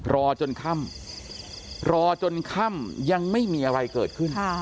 รอจนค่ำรอจนค่ำยังไม่มีอะไรเกิดขึ้น